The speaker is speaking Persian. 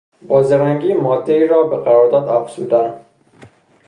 با زرنگی مادهای را به قرارداد افزودن